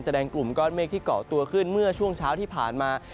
กลุ่มก้อนเมฆที่เกาะตัวขึ้นเมื่อช่วงเช้าที่ผ่านมา